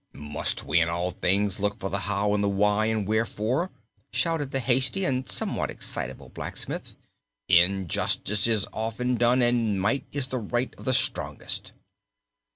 "Must we in all things look for the how and the why and wherefore?" shouted the hasty and somewhat excitable blacksmith. "Injustice is often done and might is the right of the strongest."